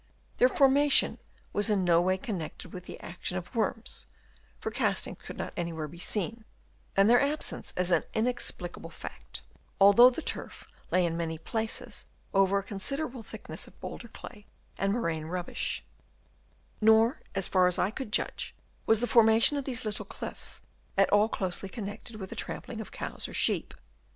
Their formation was in no way connected with the action of worms, for castings could not anywhere be seen (and their absence is an inexplicable fact), although the turf lay in many places over a considerable thickness of * 'Elements of Geology,' 1865, p. 20. 286 DENUDATION OF THE LAND. Chap. VI. boulder clay and moraine rubbish. Nor, as far as I could judge, was the formation of these little cliffs at all closely connected with the trampling of cows or sheep.